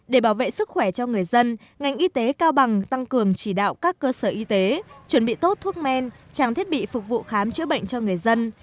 để bảo vệ sức khỏe cho người dân ngành y tế cao bằng tăng cường chỉ đạo các cơ sở y tế chuẩn bị tốt thuốc men trang thiết bị phục vụ khám chữa bệnh cho người dân